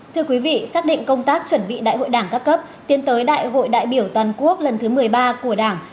thưa quý vị xác định công tác chuẩn bị đại hội đảng các cấp tiến tới đại hội đại biểu toàn quốc lần thứ một mươi ba của đảng